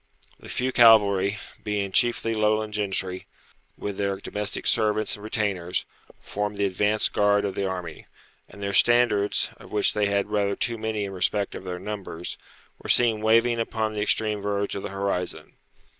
The few cavalry, being chiefly Lowland gentry, with their domestic servants and retainers, formed the advanced guard of the army; and their standards, of which they had rather too many in respect of their numbers, were seen waving upon the extreme verge of the horizon.